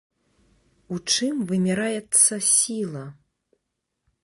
У чым вымяраецца сіла?